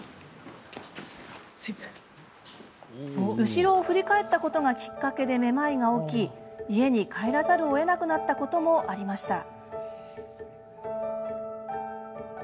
後ろを振り返ったことがきっかけでめまいが起き家に帰らざるをえなくなったこともありました。